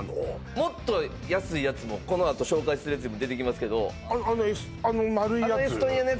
もっと安いやつもこのあと紹介するやつでも出てきますけどあの丸いやつ？